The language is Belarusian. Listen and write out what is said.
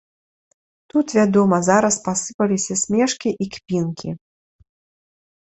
Тут, вядома, зараз пасыпаліся смешкі і кпінкі.